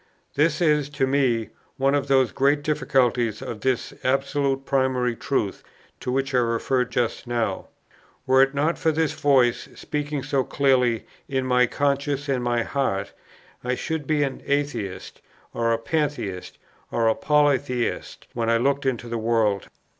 This is, to me, one of those great difficulties of this absolute primary truth, to which I referred just now. Were it not for this voice, speaking so clearly in my conscience and my heart, I should be an atheist, or a pantheist, or a polytheist when I looked into the world.